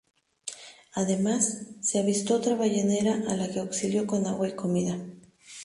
Además, se avistó otra ballenera a la que auxilió con agua y comida.